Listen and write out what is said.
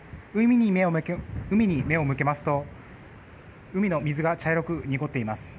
海に目を向けますと海の水が茶色く濁っています。